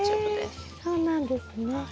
へえそうなんですね。